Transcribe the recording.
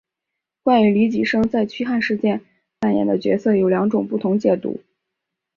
关于黎吉生在驱汉事件扮演的角色有两种不同解读。